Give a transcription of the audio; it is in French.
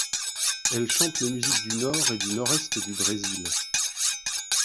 Elle chante les musiques du nord et du nord-est du Brésil.